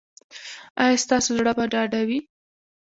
ایا ستاسو زړه به ډاډه وي؟